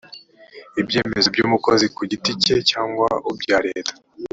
ibyemezo by umukozi ku giti cye cyangwa bya leta